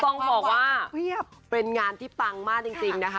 ต้องบอกว่าเป็นงานที่ปังมากจริงนะคะ